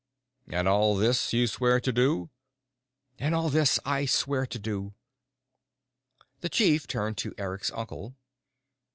"And all this you swear to do?" "And all this I swear to do." The Chief turned to Eric's uncle.